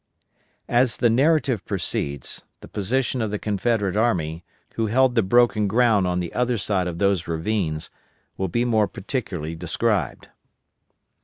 As the narrative proceeds, the position of the Confederate army, who held the broken ground on the other side of those ravines, will be more particularly described.